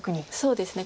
そうですね。